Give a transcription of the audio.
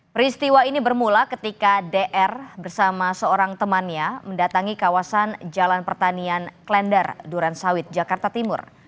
peristiwa ini bermula ketika dr bersama seorang temannya mendatangi kawasan jalan pertanian klender durensawit jakarta timur